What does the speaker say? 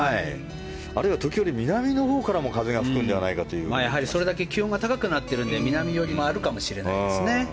あるいは時折南のほうからも気温が高くなってるので南寄りもあるかもしれないですね。